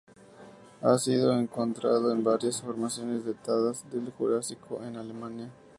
Ha sido encontrado en varias formaciones datadas del Jurásico en Alemania.